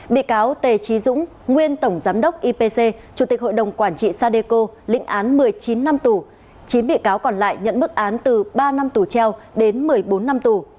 bị cáo tề trí dũng nguyên tổng giám đốc ipc chủ tịch hội đồng quản trị sadeco lĩnh án một mươi chín năm tù chín bị cáo còn lại nhận mức án từ ba năm tù treo đến một mươi bốn năm tù